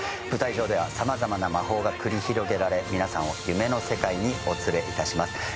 舞台上ではさまざまな魔法が繰り広げられ、皆さんを夢の世界にお連れいたします。